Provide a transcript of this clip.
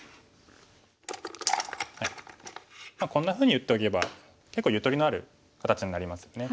こんなふうに打っとけば結構ゆとりのある形になりますよね。